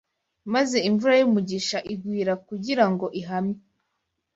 maze imvura y’umugisha igwira kugira ngo ihamye